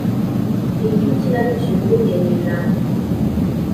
imbyino ikinamico inkuru ndende birandikwa